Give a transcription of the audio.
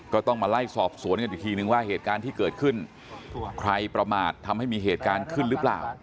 ก็ต้องมาไล่สอบสวนกันอีกทีนึงว่าเหตุการณ์ที่เกิดขึ้นใครประมาททำให้มีเหตุการณ์ขึ้นหรือเปล่า